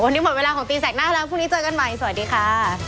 วันนี้หมดเวลาของตีแสกหน้าแล้วพรุ่งนี้เจอกันใหม่สวัสดีค่ะ